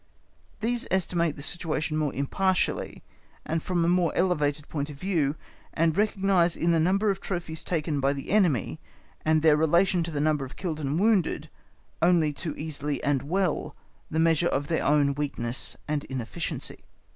These estimate the situation more impartially, and from a more elevated point of view, and recognise in the number of trophies taken by the enemy, and their relation to the number of killed and wounded, only too easily and well, the measure of their own weakness and inefficiency.